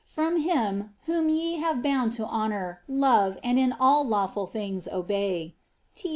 '* From bim whom ye have bound to honour, love, and in all lawful thisp obey, •* T.